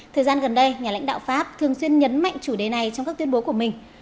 thời gian gần đây nhà lãnh đạo pháp thường xuyên nhấn mạnh chủ đề này trong các tuyên bố của mình